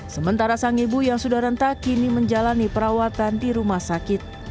sementara sang ibu yang sudah rentah kini menjalani perawatan di rumah sakit